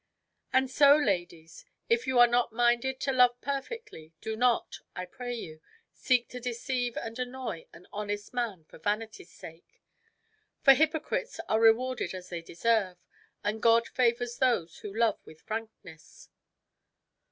"And so, ladies, if you are not minded to love perfectly, do not, I pray you, seek to deceive and annoy an honest man for vanity's sake; for hypocrites are rewarded as they deserve, and God favours those who love with frankness."